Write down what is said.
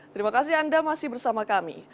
terima kasih anda masih bersama kami